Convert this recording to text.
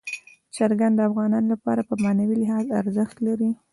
چرګان د افغانانو لپاره په معنوي لحاظ ارزښت لري.